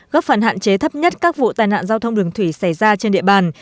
góp phần hạn chế thấp nhất các vụ tai nạn giao thông đường thủy xảy ra trên địa bàn